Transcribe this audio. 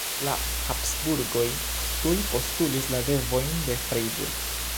La Habsburgoj tuj postulis la devojn de Freiburg.